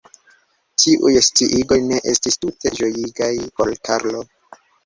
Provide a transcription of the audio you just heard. Tiuj sciigoj ne estis tute ĝojigaj por Karlo.